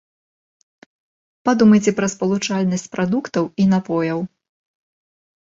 Падумайце пра спалучальнасць прадуктаў і напояў.